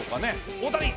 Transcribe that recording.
大谷！